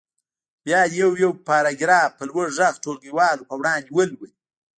بیا دې یو یو پاراګراف په لوړ غږ ټولګیوالو په وړاندې ولولي.